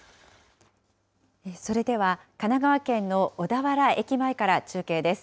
それでは、神奈川県の小田原駅前から中継です。